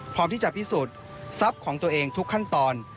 พร้อมที่จะพิสูจน์ทรัพย์ของตัวเองทุกขั้นตอน